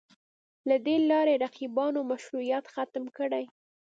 له دې لارې رقیبانو مشروعیت ختم کړي